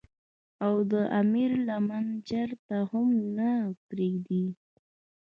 او د اميد لمن چرته هم نۀ پريږدي ۔